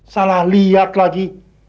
salah lihat lagi